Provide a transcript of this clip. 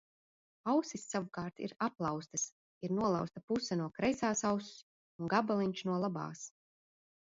Ausis savukārt ir aplauztas — ir nolauzta puse no kreisās auss un gabaliņš no labās.